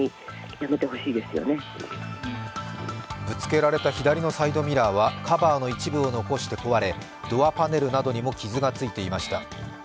ぶつけられた左のサイドミラーはカバーの一部を残した壊れドアパネルなどにも傷がついていました。